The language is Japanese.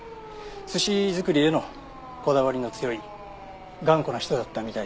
寿司作りへのこだわりの強い頑固な人だったみたいだよ。